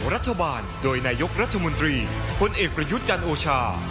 รัฐบาลโดยนายกรัฐมนตรีพลเอกประยุทธ์จันทร์โอชา